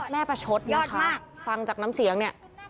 แม่ประชดนะคะยอดมากฟังจากน้ำเสียงเนี่ย